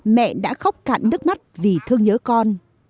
mẹ đã khóc cạn nước mắt vì thương nhớ con